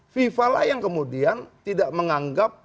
fifa lah yang kemudian tidak menganggap